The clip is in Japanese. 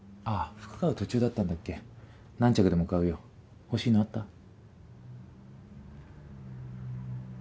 あぁ服買う途中だったんだっけ何着でも買うよ欲しいのあった？